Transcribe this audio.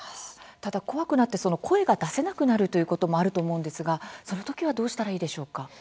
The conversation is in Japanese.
ただ、怖くなって声が出せなくなるということもあると思うんですが、その時はどうしたらいいでしょうか？